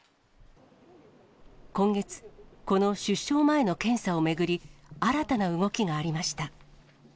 今月、この出生前の検査を巡り、新たな動きがありました。